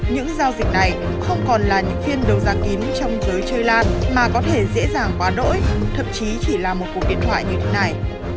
những giao dịch này không còn là những phiên đấu giá kín trong giới chơi lan mà có thể dễ dàng quá đỗi thậm chí chỉ là một cuộc điện thoại như thế này